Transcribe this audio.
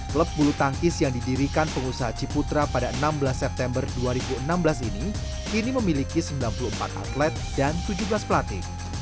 klub bulu tangkis yang didirikan pengusaha ciputra pada enam belas september dua ribu enam belas ini kini memiliki sembilan puluh empat atlet dan tujuh belas pelatih